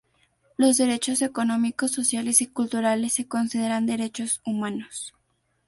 Los Derechos económicos, sociales y culturales se consideran derechos humanos.